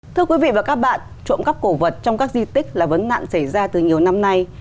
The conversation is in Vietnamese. thưa quý vị và các bạn trộm cắp cổ vật trong các di tích là vấn nạn xảy ra từ nhiều năm nay